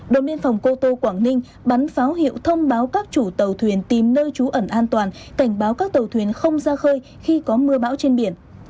đồn biên phòng cô tô quảng ninh bắn pháo hiệu thông báo các chủ tàu thuyền tìm nơi trú ẩn an toàn cảnh báo các tàu thuyền không ra khơi khi có mưa bão trên biển